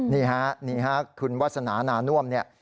นี่ฮะนี่ฮะคุณวาสนานาน่วมเนี่ย